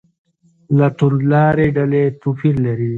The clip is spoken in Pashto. له توندلارې ډلې توپیر لري.